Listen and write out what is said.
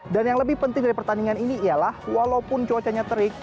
dan yang lebih penting dari pertandingan ini ialah walaupun cuacanya terik